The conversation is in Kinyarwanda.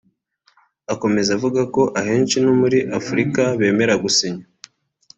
Akomeza avuga ko “Ahenshi no muri Afurika bemera gusinya